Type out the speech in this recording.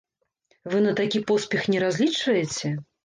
Вы на такі поспех не разлічваеце?